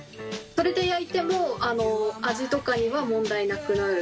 それで焼いても味とかには問題なくなる？